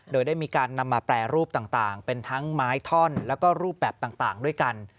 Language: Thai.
โดยได้มีการนำมาแปรรูปต่างเป็นทั้งไม้ท่อนแล้วก็รูปแบบต่างด้วยกัน